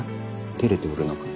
照れておるのか？